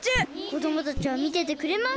こどもたちはみててくれます！